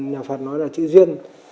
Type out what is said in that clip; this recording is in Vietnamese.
nhà phật nói là chữ duyên